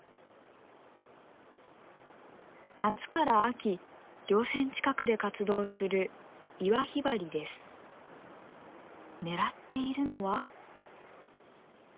夏から秋稜線近くで活動する狙っているのは。